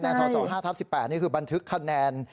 ไอ้คะแนน๒๒๕ทับ๑๘นี่คือบันทึกคะแนน